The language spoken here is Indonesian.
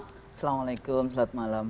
assalamualaikum selamat malam